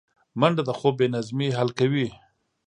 منډه د خوب بې نظمۍ حل کوي